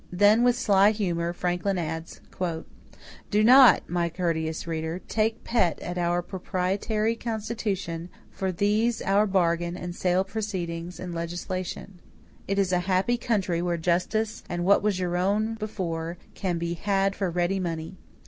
Then, with sly humor, Franklin adds: "Do not, my courteous reader, take pet at our proprietary constitution for these our bargain and sale proceedings in legislation. It is a happy country where justice and what was your own before can be had for ready money.